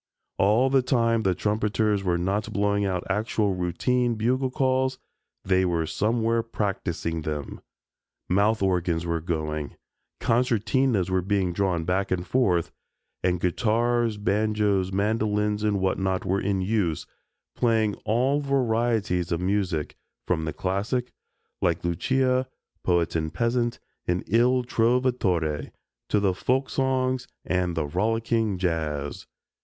All the time the trumpeters were not blowing out actual routine bugle calls, they were somewhere practicing them. Mouth organs were going, concertinas were being drawn back and forth, and guitars, banjos, mandolins and whatnot were in use playing all varieties of music, from the classic, like "Lucia," "Poet and Peasant," and "Il Trovatore" to the folksongs and the rollicking "Jazz."